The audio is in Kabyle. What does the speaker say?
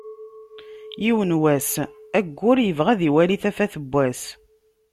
Yiwen n wass aggur yebɣa ad iwali tafat n wass.